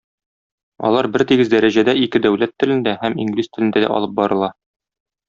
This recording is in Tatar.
Алар бертигез дәрәҗәдә ике дәүләт телендә һәм инглиз телендә дә алып барыла.